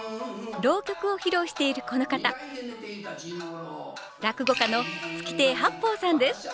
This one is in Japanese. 浪曲を披露しているこの方落語家の月亭八方さんです。